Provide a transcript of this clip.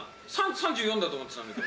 ３４だと思ってたんだけど。